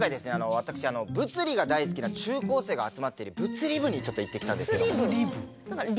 私物理が大好きな中高生が集まっている物理部にちょっと行ってきたんですけども。